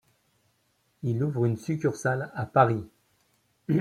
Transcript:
Ils ouvrent une succursale à Paris.